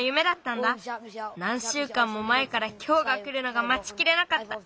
なんしゅうかんもまえからきょうがくるのがまちきれなかった。